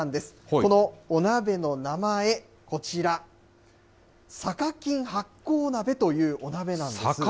このお鍋の名前、こちら、さかきん発酵鍋というお鍋なんです。